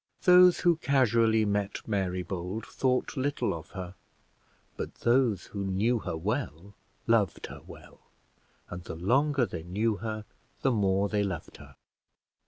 Those who casually met Mary Bold thought little of her; but those who knew her well loved her well, and the longer they knew her the more they loved her.